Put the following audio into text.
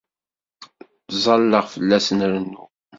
Ttẓallaɣ fell-asen rennuɣ.